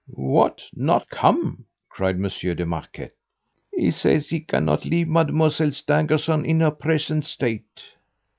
"What! Not come!" cried Monsieur de Marquet. "He says he cannot leave Mademoiselle Stangerson in her present state."